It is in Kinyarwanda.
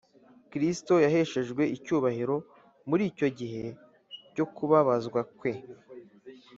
kristo yaheshejwe icyubahiro muri icyo gihe cyo kubabazwa kwe